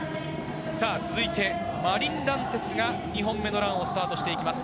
続いてマリン・ランテスが２本目のランをスタートします。